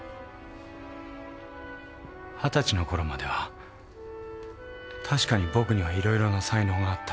二十歳のころまでは確かに僕にはいろいろな才能があった。